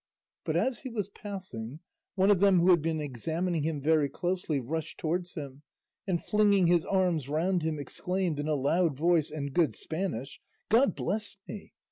But as he was passing, one of them who had been examining him very closely rushed towards him, and flinging his arms round him exclaimed in a loud voice and good Spanish, "God bless me!